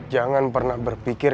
jangan pernah berpikir